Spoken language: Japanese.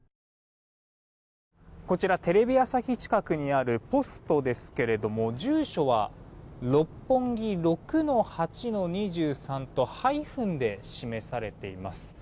こちらテレビ朝日近くにあるポストですけれども住所は六本木６‐８‐２３とハイフンで示されています。